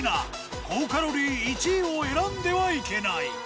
高カロリー１位を選んではいけない。